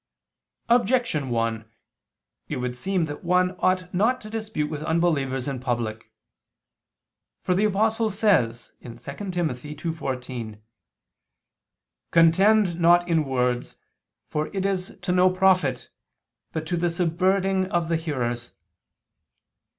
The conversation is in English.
Objection 1: It would seem that one ought not to dispute with unbelievers in public. For the Apostle says (2 Tim. 2:14): "Contend not in words, for it is to no profit, but to the subverting of the hearers."